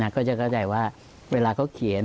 ก็จะเข้าใจว่าเวลาเขาเขียน